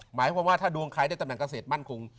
หมายความว่าถ้าดวงใครได้ตำแหนเกษตรมั่นคง